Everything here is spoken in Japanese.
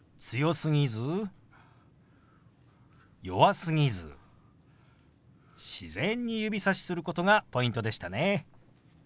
強すぎず弱すぎず自然に指さしすることがポイントでしたね。